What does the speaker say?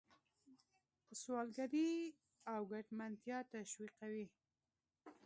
سوداګري او ګټمنتیا تشویقوي.